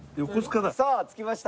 さあ着きました